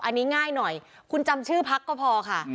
อันนี้ง่ายหน่อยคุณจำชื่อพักก็พอค่ะ